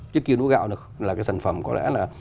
trước kia lúa gạo là cái sản phẩm có lẽ là